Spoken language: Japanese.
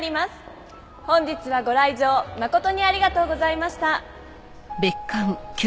本日はご来場誠にありがとうございました。